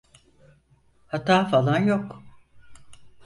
Hata falan yok.